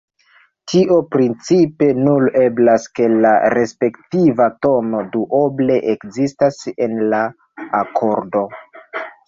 Tio principe nur eblas, se la respektiva tono duoble ekzistas en la akordo.